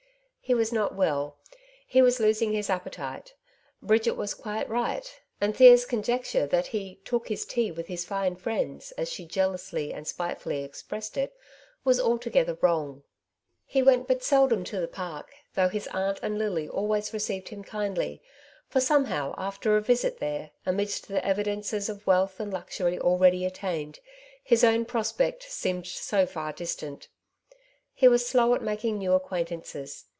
He was not well; he was losing his appetite. Bridget was quite right ; and Thea's conjecture that he ^Hook his tea with his fine friends,'^ as she jealously and spitefully expressed it, was altogether Uncertainty s Cares. 123 wrong. He went but seldom to the Park, though his aunt and Lily always received him kindly ; for somehow, after a visit there, amidst the evidences of wealth and luxury already attained, his own pro spects seemed so far distant. He was slow at making new acquaintances.